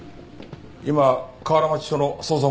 今河原町署の捜査本部だったか。